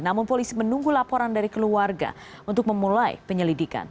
namun polisi menunggu laporan dari keluarga untuk memulai penyelidikan